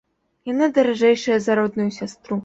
Яна даражэйшая за родную сястру.